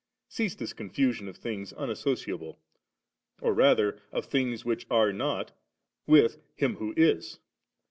Cease this confusion of things unassociable, or rather of things which are not with Him who is.